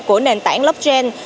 của nền tảng blockchain